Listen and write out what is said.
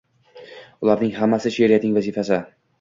Ularning hammasi she’riyatning vazifasi.